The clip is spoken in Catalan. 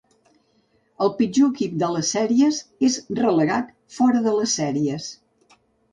El pitjor equip de les sèries és relegat fora de les sèries.